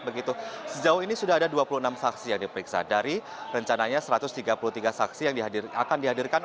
begitu sejauh ini sudah ada dua puluh enam saksi yang diperiksa dari rencananya satu ratus tiga puluh tiga saksi yang akan dihadirkan